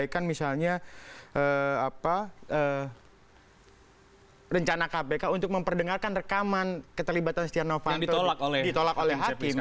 kan misalnya rencana kpk untuk memperdengarkan rekaman keterlibatan setia novanto ditolak oleh hakim